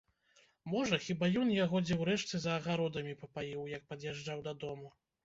Можа, хіба ён яго дзе ў рэчцы за агародамі папаіў, як пад'язджаў дадому.